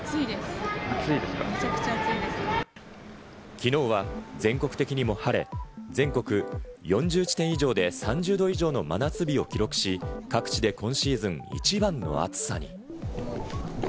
きのうは全国的にも晴れ、全国４１地点で３０度以上の真夏日を記録し、各地で今シーズン、一番の暑さに。